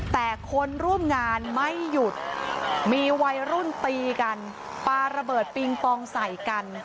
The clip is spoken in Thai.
แต่คนร่วมงานไม่หยุดมีวัยรุ่นตีกันปลาระเบิดปิงปองใส่กัน